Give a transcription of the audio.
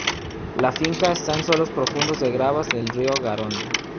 La finca está en suelos profundos de gravas del río Garona.